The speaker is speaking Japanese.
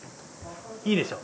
いいでしょ。